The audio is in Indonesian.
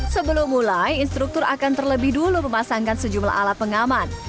sebelum mulai instruktur akan terlebih dulu memasangkan sejumlah alat pengaman